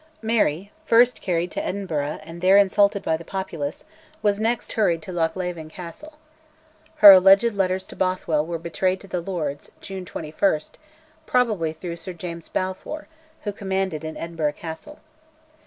Mary, first carried to Edinburgh and there insulted by the populace, was next hurried to Lochleven Castle. Her alleged letters to Bothwell were betrayed to the Lords (June 21), probably through Sir James Balfour, who commanded in Edinburgh Castle.